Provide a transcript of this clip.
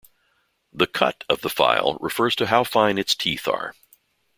The "cut" of the file refers to how fine its teeth are.